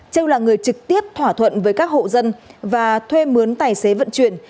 châu là người trực tiếp thỏa thuận với các hộ dân và thuê mướn tài xế vận chuyển